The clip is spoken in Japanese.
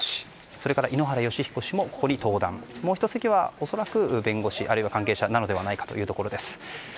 それから井ノ原快彦氏もここに登壇、もう１席は恐らく弁護士あるいは関係者なのではないかというところです。